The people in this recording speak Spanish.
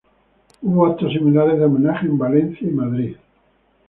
Hubo actos similares de homenaje en Valencia y Madrid.